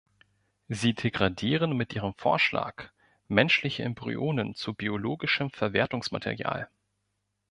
Sie degradieren mit Ihrem Vorschlag menschliche Embryonen zu biologischem Verwertungsmaterial.